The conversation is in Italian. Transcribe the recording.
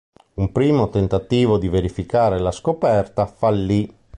Un primo tentativo di verificare la scoperta fallì.